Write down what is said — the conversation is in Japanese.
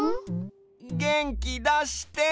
げんきだして！